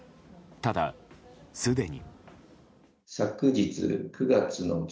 ただ、すでに。